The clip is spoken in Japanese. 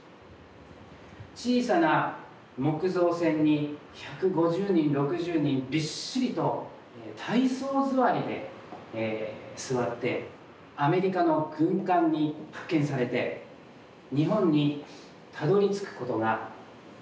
小さな木造船に１５０人６０人びっしりと体操座りで座ってアメリカの軍艦に発見されて日本にたどりつくことができました。